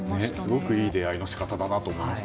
すごくいい出会いの仕方だと思いました。